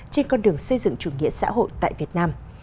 trên con đường xây dựng chủ nghĩa xã hội tại việt nam